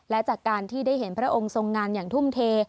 และจากการที่ได้เห็นพระองค์ทรงงานอย่างทุ่มเท